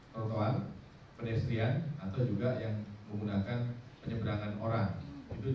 terus juga susah sih nyari ini